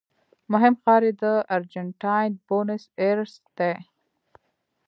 مهم ښار یې د ارجنټاین بونس ایرس دی.